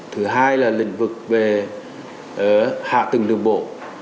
thứ hai là lĩnh vực về hạ tầng đường bộ